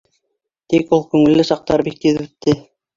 Тик ул күңелле саҡтар бик тиҙ үтте.